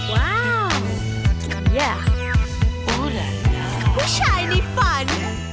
ว้าวผู้ชายในฝัน